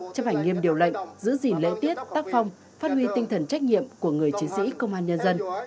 chấp hành nghiêm điều lệnh giữ gìn lễ tiết tác phong phát huy tinh thần trách nhiệm của người chiến sĩ công an nhân dân